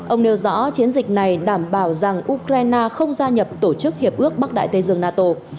ông nêu rõ chiến dịch này đảm bảo rằng ukraine không gia nhập tổ chức hiệp ước bắc đại tây dương nato